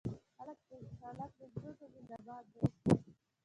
هلک د زړونو مهربان دوست دی.